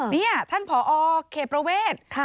นี่ท่านผอเขตประเวท